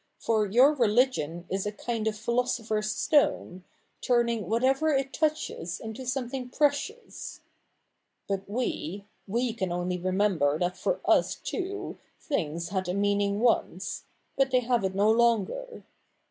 For your religion is a kind of philosopher's stone, turning whatever it touches into something precious. 56 THE NEW REPUBLIC [bk. i But we — we can only remember that for us, too, things had a meaning once ; but they have it no longer.